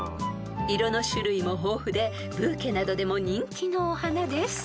［色の種類も豊富でブーケなどでも人気のお花です］